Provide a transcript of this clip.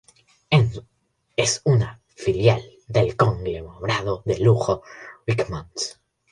Es una filial del conglomerado del lujo Richemont.